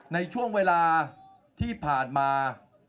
ในช่วงเวลาที่ผ่านมา